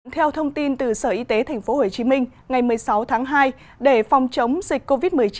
theo thông tin từ sở y tế tp hcm ngày một mươi sáu tháng hai để phòng chống dịch covid một mươi chín